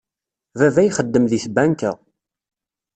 Baba ixeddem deg tbanka.